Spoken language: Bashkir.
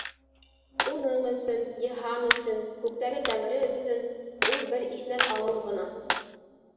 Уның өсөн, Йыһан өсөн, күктәге Тәңре өсөн, ул бер иҫнәп алыу ғына.